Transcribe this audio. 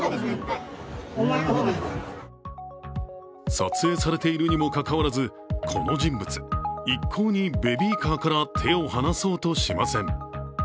撮影されているにもかかわらずこの人物一向にベビーカーから手を離そうとしません。